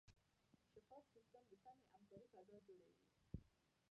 شفاف سیستم د سمې همکارۍ فضا جوړوي.